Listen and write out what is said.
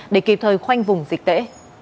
để kịp thời khoanh vùng dịch tễ